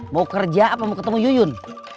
mau kerja apa mau ketemu yuyun